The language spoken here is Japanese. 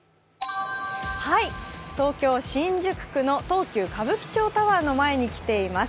東京・新宿区の東急歌舞伎町タワーの前に来ています。